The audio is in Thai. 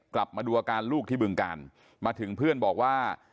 กลับมาดูอาการลูกที่บึงการมาถึงเพื่อนบอกว่า